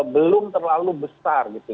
belum terlalu besar gitu